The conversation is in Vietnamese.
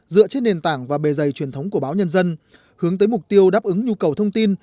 dựa trên nền tảng và bề dày truyền thống của báo nhân dân hướng tới mục tiêu đáp ứng nhu cầu thông tin